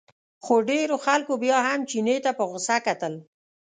خو ډېرو خلکو بیا هم چیني ته په غوسه کتل.